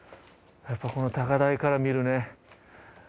やっぱこの高台から見るね